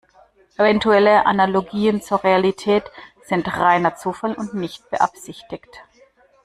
Eventuelle Analogien zur Realität sind reiner Zufall und nicht beabsichtigt.